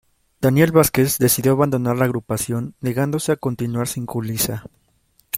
Daniel Vázquez decidió abandonar la agrupación negándose a continuar sin Julissa.